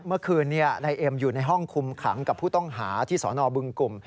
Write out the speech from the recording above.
เมื่อคืนนายเอ็มอยู่ในห้องคุมขังกับผู้ต้องหาที่สนบึงกลุ่ม